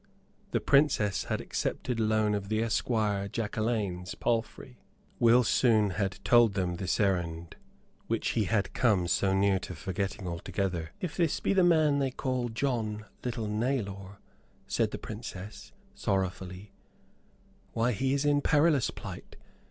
The Princess had accepted loan of the esquire Jacquelaine's palfrey. Will soon had told them this errand which he had come so near to forgetting altogether. "If this be the man they call John Little Nailor," said the Princess, sorrowfully, "why, he is in perilous plight.